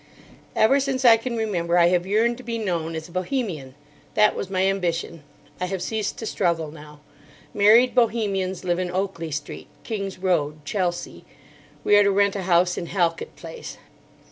Ever since I can remember I have yearned to be known as a Bohemian. That was my ambition. I have ceased to struggle now. Married Bohemians live in Oakley Street, King's Road, Chelsea. We are to rent a house in Halkett Place.